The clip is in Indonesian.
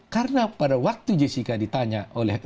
karena pada waktu jessica ditanya